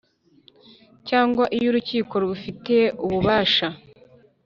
cyangwa iyo Urukiko rubifitiye ububasha